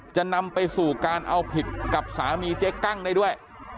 จะนำไปสู่การเอาผิดกับสามีเจ๊กั้งได้ด้วย